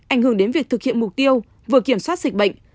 ảnh hưởng đến việc thực hiện mục tiêu vừa kiểm soát dịch bệnh